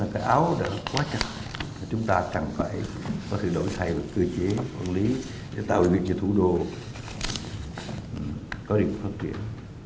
cái áo đã quá chặt chúng ta chẳng phải có thể đổi thay một cơ chế quản lý để tạo được những thủ đô có định phát triển